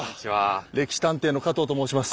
「歴史探偵」の加藤と申します。